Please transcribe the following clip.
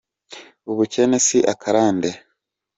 Ubukene si akarande.